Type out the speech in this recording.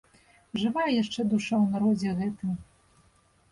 Жывая яшчэ душа ў народзе гэтым.